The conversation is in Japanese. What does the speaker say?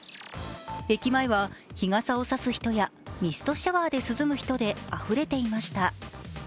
駅前は日傘を差す人やミストシャワーで涼む人であふれていました。